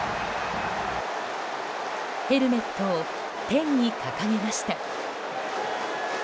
ヘルメットを天に掲げました。